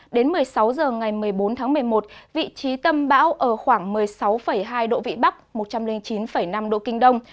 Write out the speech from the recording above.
đến một mươi sáu h ngày một mươi bốn tháng một mươi một vị trí tâm bão ở khoảng một mươi sáu hai độ vị bắc một trăm linh chín năm độ kinh đông